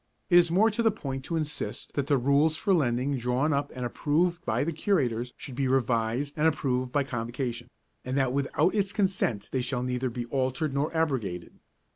It is more to the point to insist that the rules for lending drawn up and approved by the Curators should be revised and approved by Convocation, and that without its consent they shall neither be altered nor abrogated.